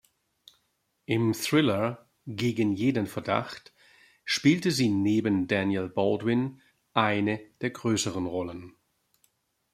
Im Thriller "Gegen jeden Verdacht" spielte sie neben Daniel Baldwin eine der größeren Rollen.